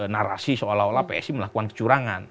narasi seolah olah psi melakukan kecurangan